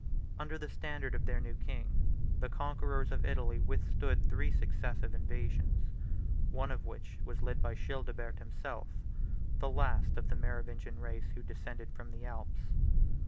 Under the standard of their new king, the conquerors of Italy withstood three successive invasions, one of which was led by Childebert himself, the last of the Merovingian race who descended from the Alps.